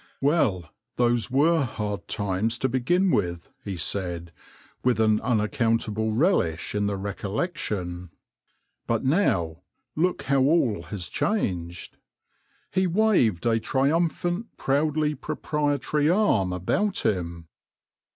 Well, those were hard 1 88 THE LORE OF THE HONEY BEE times to begin with — he said, with an unaccountable relish in the recollection ;— but now, look how all was changed ! He waved a triumphant, proudly proprietary arm around him.